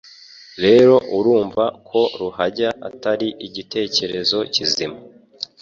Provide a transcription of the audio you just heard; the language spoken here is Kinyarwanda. Rero urumva ko kuhajya atari igitekerezo kizima